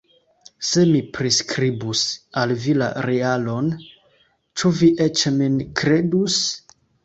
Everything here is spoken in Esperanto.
Se mi priskribus al vi la realon, ĉu vi eĉ min kredus?